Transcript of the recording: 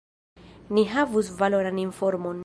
Ni havus valoran informon.